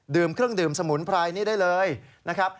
เครื่องดื่มสมุนไพรนี่ได้เลยนะครับ